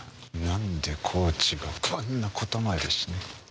なんでコーチがこんなことまで。